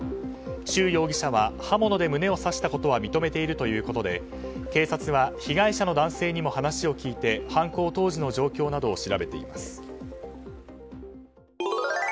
シュウ容疑者は刃物で胸を刺したことは認めているということで警察は被害者の男性にも話を聞いて、犯行当時の状況などを調べています。